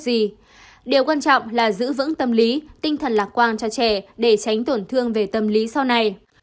điều quan trọng là giữ vững tâm lý tinh thần lạc quang cho trẻ để tránh tổn thương về tâm lý sau này